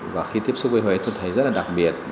và khi tiếp xúc với huế tôi thấy rất là đặc biệt